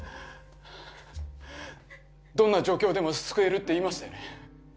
「どんな状況でも救える」って言いましたよね？